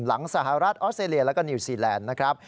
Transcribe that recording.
สหรัฐออสเตรเลียแล้วก็นิวซีแลนด์นะครับ